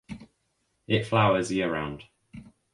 It flowers year round.